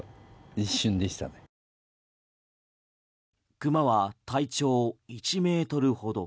クマは体長１ｍほど。